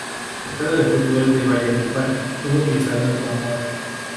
El estadio de fútbol de Valledupar fue bautizado en su honor.